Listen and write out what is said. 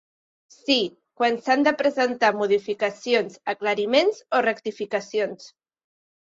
Sí, quan s'han de presentar modificacions, aclariments o rectificacions.